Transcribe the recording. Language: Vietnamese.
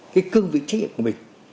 cái cương vị trách nhiệm của mình